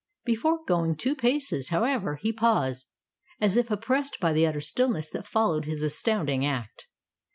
Before going two paces, however, he paused, as if oppressed by the utter stillness that followed his astounding act.